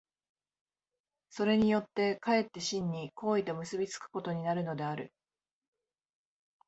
それによって却って真に行為と結び付くことになるのである。